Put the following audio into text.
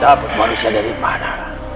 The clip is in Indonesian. dapat manusia dari mana